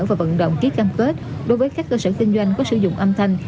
và vận động ký cam kết đối với các cơ sở kinh doanh có sử dụng âm thanh